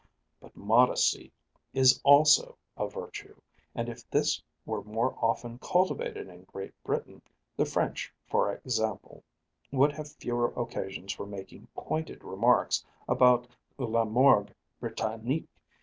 But modesty is also a virtue, and if this were more often cultivated in Great Britain, the French, for example, would have fewer occasions for making pointed remarks about la morgue britannique.